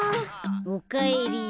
おかえり。